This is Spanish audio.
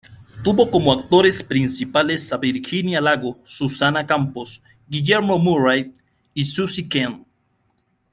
Tuvo como actores principales a Virginia Lago, Susana Campos, Guillermo Murray y Susy Kent.